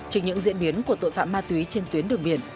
trên những diễn biến của tội phạm ma túy trên tuyến đường biển